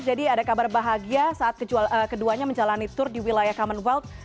jadi ada kabar bahagia saat keduanya menjalani tur di wilayah commonwealth